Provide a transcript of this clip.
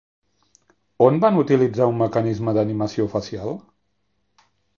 On van utilitzar un mecanisme d'animació facial?